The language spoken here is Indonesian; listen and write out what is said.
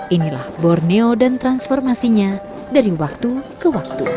inilah borneo dan transformasinya dari waktu ke waktu